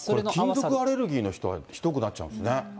金属アレルギーの人はひどくなっちゃうんですね。